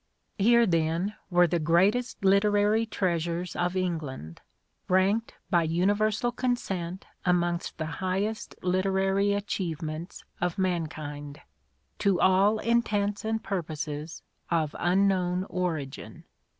Here, then, were the greatest literary treasures of England, ranked by universal consent amongst the highest literary achievements of mankind, to all intents and purposes of unknown origin.